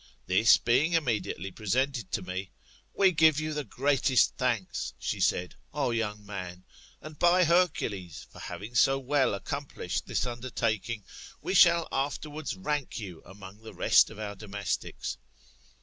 This being immediately presented to me, We give you the greatest thanks, she said, O young man ; and, by Hercules, for having so well accomplished this undertaking, we shall afterwards ^ank you among the rest of our domestics.